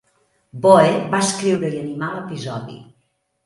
Boe va escriure i animar l'episodi.